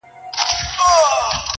پدرلعنته حادثه ده او څه ستا ياد دی.